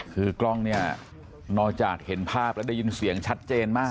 คือกล้องเนี่ยนอกจากเห็นภาพแล้วได้ยินเสียงชัดเจนมาก